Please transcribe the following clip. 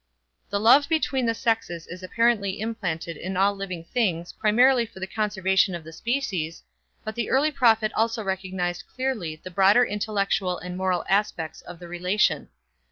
The love between the sexes is apparently implanted in all living beings primarily for the conservation of the species, but the early prophet also recognized clearly the broader intellectual and moral aspects of the relation.